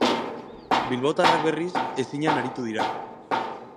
Bilbotarrak, berriz, ezinean aritu dira.